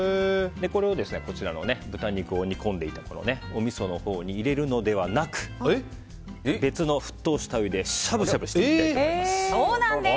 これを、豚肉を煮込んでいたおみそのほうに入れるのではなく別の沸騰したお湯でしゃぶしゃぶしていきたいとそうなんです！